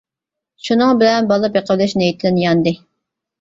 شۇنىڭ بىلەن بالا بېقىۋېلىش نىيىتىدىن ياندى.